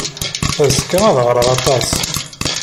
Azekka ad ɣreɣ aṭas.